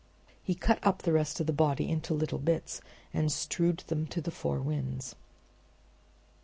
He cut up the rest of the body into little bits and strewed them to the four winds.